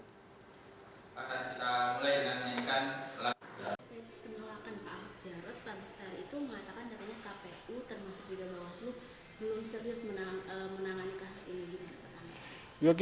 penolakan pak jarod pak bistari itu mengatakan datanya kpu termasuk juga bawaslu belum serius menangani kehasil ini